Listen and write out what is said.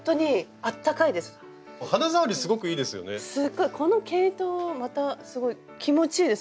あのねこの毛糸またすごい気持ちいいですね。